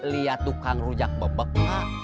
lihat tukang rujak bebek